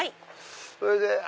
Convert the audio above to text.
それで。